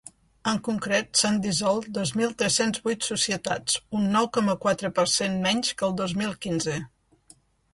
En concret s’han dissolt dos mil tres-cents vuit societats, un nou coma quatre per cent menys que el dos mil quinze.